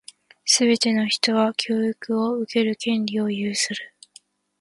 すべて人は、教育を受ける権利を有する。